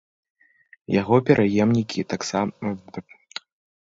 Яго пераемнікі падскарбія далей таксама стала займалі ўрад пісара вялікага літоўскага.